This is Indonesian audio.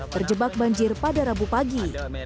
terjebak banjir pada rabu pagi